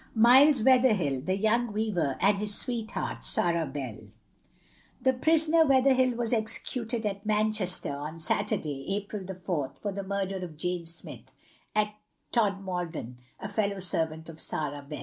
MILES WEATHERHILL, THE YOUNG WEAVER, And his SWEETHEART, SARAH BELL. The prisoner, Weatherhill, was Executed at Manchester, on Saturday, April the 4th, for the Murder of Jane Smith, at Todmorden, a fellow servant of Sarah Bell.